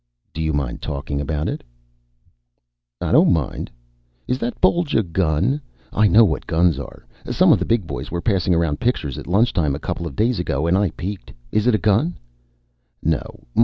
"Do you mind talking about it?" "I don't mind. Is that bulge a gun? I know what guns are. Some of the big boys were passing around pictures at lunchtime a couple days ago and I peeked. Is it a gun?" "No.